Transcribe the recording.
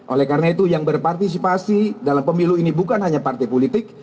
oleh karena itu yang berpartisipasi dalam pemilu ini bukan hanya partai politik